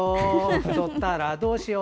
「太ったらどうしよう」